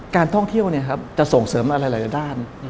การท่องเที่ยวจะส่งเสริมอะไรหลายด้าน